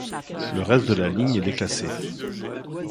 Le reste de la ligne est déclassé.